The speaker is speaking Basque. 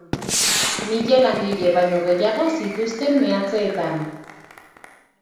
Mila langile baino gehiago zituzten meatzeetan